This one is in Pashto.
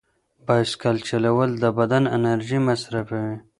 بایسکل چلول د بدن انرژي مصرفوي.